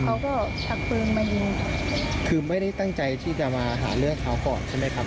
ชักปืนมายิงคือไม่ได้ตั้งใจที่จะมาหาเรื่องเขาก่อนใช่ไหมครับ